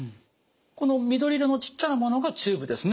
この緑色のちっちゃなものがチューブですね。